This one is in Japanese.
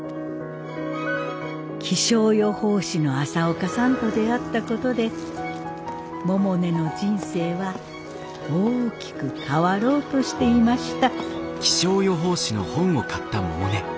気象予報士の朝岡さんと出会ったことで百音の人生は大きく変わろうとしていました。